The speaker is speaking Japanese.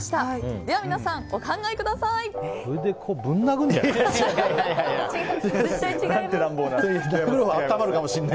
では皆さん、お考えください。